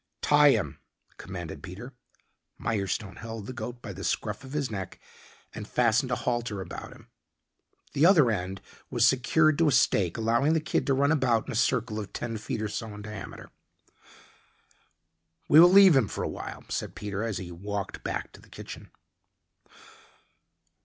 "Tie him," commanded Peter. Mirestone held the goat by the scruff of his neck and fastened a halter about him. The other end was secured to a stake allowing the kid to run about in a circle of ten feet or so in diameter. "We will leave him for awhile," said Peter as he walked back to the kitchen.